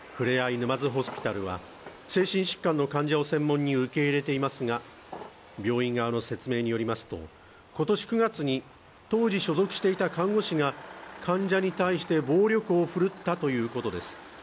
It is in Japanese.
沼津ホスピタルは精神疾患の患者を専門に受け入れていますが病院側の説明によりますと今年９月に当時所属していた看護師が患者に対して暴力を振るったということです